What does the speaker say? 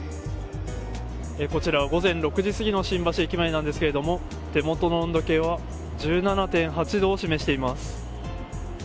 こちら午前６時すぎの新橋駅前なんですけれども手元の温度計は１７．８度を示しています。